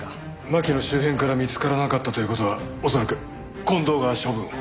巻の周辺から見つからなかったという事は恐らく近藤が処分を。